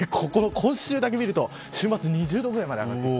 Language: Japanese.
今週だけ見ると週末２０度ぐらいまで上がる。